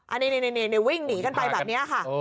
อันนี้วิ่งหนีกันไปแบบนี้ค่ะ